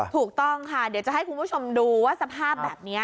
ถูกต้องค่ะเดี๋ยวจะให้คุณผู้ชมดูว่าสภาพแบบนี้